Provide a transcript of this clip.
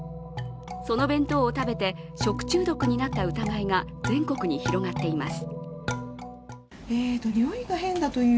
その弁当を食べて食中毒になった疑いが全国に広がっています。